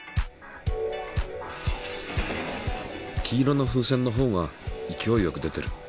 黄色の風船のほうが勢いよく出てる。